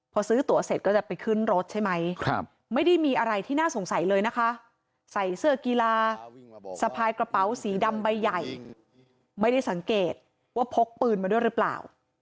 พอซื้อตัวเสร็จก็จะไปขึ้นรถใช่ไหมไม่ได้มีอะไรที่น่าสงสัยเลยนะคะใส่เสื้อกีฬาสะพายกระเป๋าสีดำใบใหญ่ไม่ได้สังเกตว่าพกปืนมาด้วยหรือเปล่า